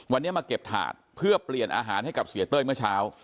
วันนี้มาเก็บถาดเพื่อเปลี่ยนอาหารให้กับเสียเต้ยเมื่อเช้า